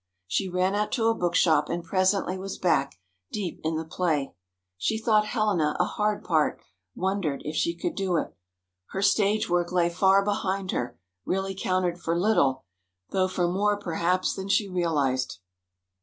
She ran out to a bookshop, and presently was back, deep in the play. She thought Helena a hard part—wondered if she could do it. Her stage work lay far behind her—really counted for little, though for more, perhaps, than she realized.